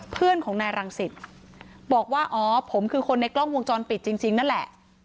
เพื่อนของนายรังสิตบอกว่าอ๋อผมคือคนในกล้องวงจรปิดจริงนั่นแหละ